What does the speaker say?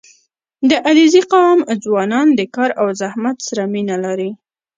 • د علیزي قوم ځوانان د کار او زحمت سره مینه لري.